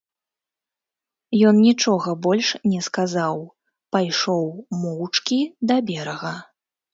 Ён нічога больш не сказаў, пайшоў моўчкі да берага.